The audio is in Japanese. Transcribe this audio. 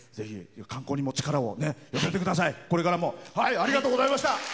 観光にも力を寄せてください。